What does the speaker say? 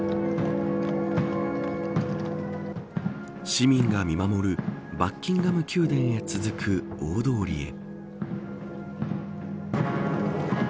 市民が見守るバッキンガム宮殿へ続く大通りへ。